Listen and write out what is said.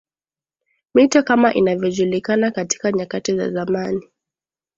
mito Kama inavyojulikana katika nyakati za zamani